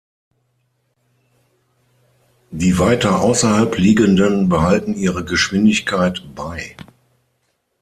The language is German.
Die weiter außerhalb liegenden behalten ihre Geschwindigkeit bei.